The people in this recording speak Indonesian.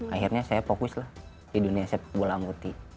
akhirnya saya fokus lah di dunia sepak bola amputi